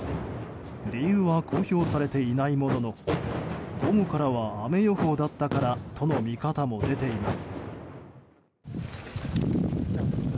理由は公表されていないものの午後からは雨予報だったからとの見方も出ています。